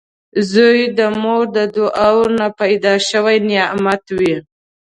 • زوی د مور د دعاوو نه پیدا شوي نعمت وي